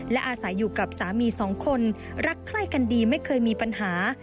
และอาศัยอยู่กับสามีสองคนรักใคร่กันดีไม่เคยมีปัญหา